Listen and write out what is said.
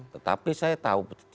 tetapi saya tahu